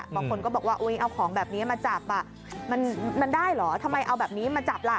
บางคนก็บอกว่าเอาของแบบนี้มาจับมันได้เหรอทำไมเอาแบบนี้มาจับล่ะ